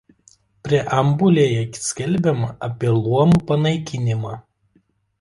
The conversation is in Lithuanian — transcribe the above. Preambulėje skelbiama apie luomų panaikinimą.